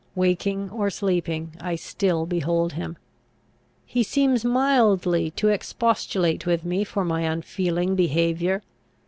Waking or sleeping, I still behold him. He seems mildly to expostulate with me for my unfeeling behaviour.